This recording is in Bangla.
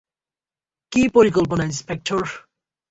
কী পরিকল্পনা, ইন্সপেক্টর?